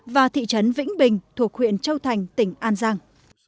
và thị trấn vĩnh bình thuộc huyện châu thành tỉnh an giang